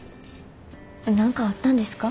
何かあったんですか？